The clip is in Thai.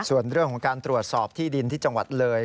ส่วนเรื่องของการตรวจสอบที่ดินที่จังหวัดเลย